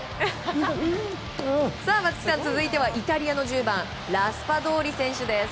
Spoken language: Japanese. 続いてはイタリアの１０番ラスパドーリ選手です。